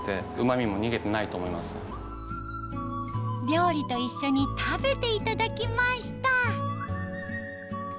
料理と一緒に食べていただきました